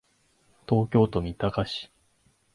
東京都三鷹市